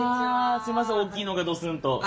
すいません大きいのがどすんと。